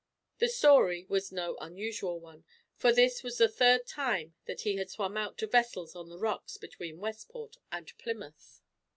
The story was no unusual one, for this was the third time that he had swum out to vessels on the rocks between Westport and Plymouth.